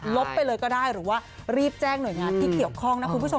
ไปเลยก็ได้หรือว่ารีบแจ้งหน่วยงานที่เกี่ยวข้องนะคุณผู้ชม